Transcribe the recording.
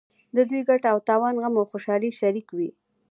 د دوی ګټه او تاوان غم او خوشحالي شریک وي.